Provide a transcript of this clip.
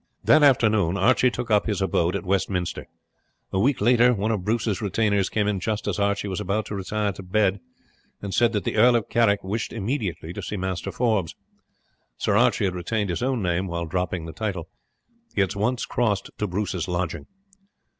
That afternoon Archie took up his abode at Westminster. A week later one of Bruce's retainers came in just as Archie was about to retire to bed, and said that the Earl of Carrick wished immediately to see Master Forbes. Sir Archie had retained his own name while dropping the title. He at once crossed, to Bruce's lodging.